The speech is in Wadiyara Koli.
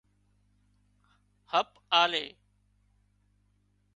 هپ آلي